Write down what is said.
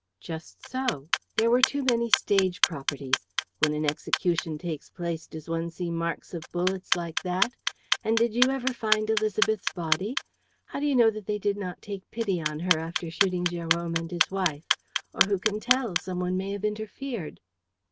"Just so. There were too many stage properties. When an execution takes place, does one see marks of bullets like that? And did you ever find Élisabeth's body? How do you know that they did not take pity on her after shooting Jérôme and his wife? Or who can tell? Some one may have interfered.